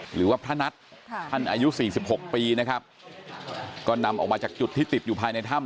หรือว่าพระนัทท่านอายุ๔๖ปีนะครับก็นำออกมาจากจุดที่ติดอยู่ภายในถ้ำ